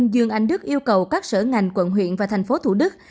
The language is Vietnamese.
dương anh đức yêu cầu các sở ngành quận huyện và tp thủ đức